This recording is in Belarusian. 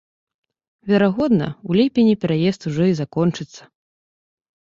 Верагодна, у ліпені пераезд ужо і закончыцца.